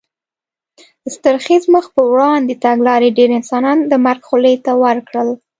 ستر خېز مخ په وړاندې تګلارې ډېر انسانان د مرګ خولې ته ور کړل.